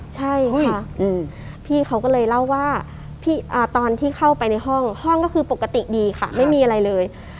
ใช่ค่ะพี่เขาก็เลยเล่าว่าตอนที่เข้าไปในห้องห้องก็คือปกติดีค่ะไม่มีอะไรเลย